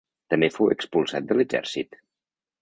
També fou expulsat de l'Exèrcit.